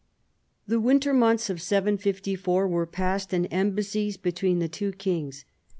The winter months of Y54 were passed in embassies between the two kings.